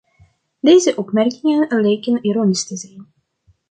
Deze opmerkingen lijken ironisch te zijn.